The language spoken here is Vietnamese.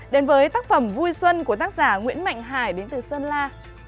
đến với tác phẩm vui xuân của tác giả nguyễn mạnh hải đến từ sơn la